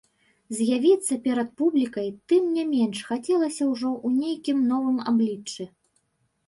З'явіцца перад публікай, тым не менш, хацелася ўжо ў нейкім новым абліччы.